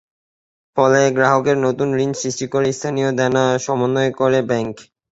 ফলে গ্রাহকের নতুন ঋণ সৃষ্টি করে স্থানীয় দেনা সমন্বয় করে ব্যাংক।